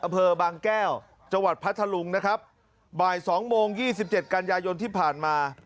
อำเภอบางแก้วจังหวัดพัทธลุงนะครับบ่ายสองโมงยี่สิบเจ็ดกันยายนที่ผ่านมา